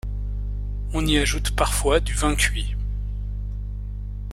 On y ajoute parfois du vin cuit.